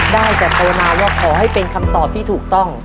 ได้แต่ภาวนาว่าขอให้เป็นคำตอบที่ถูกต้อง